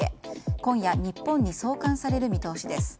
今夜、日本に送還される見通しです。